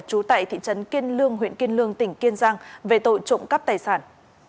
trú tại thị trấn kiên lương huyện kiên lương tỉnh kiên giang về tội trộm cắp tài sản